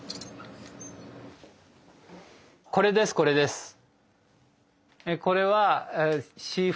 これですこれです。